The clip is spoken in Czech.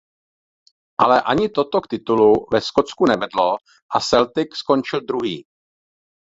Ale ani toto k titulu ve Skotsku nevedlo a Celtic skončil druhý.